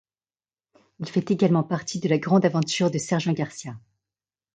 Il fait également partie de la grande aventure de Sergent Garcia.